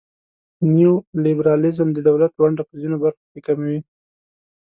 نیولیبرالیزم د دولت ونډه په ځینو برخو کې کموي.